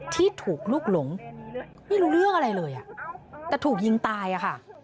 ที่ถูกลุกหลงไม่รู้เรื่องอะไรเลยแต่ถูกยิงตายอะค่ะ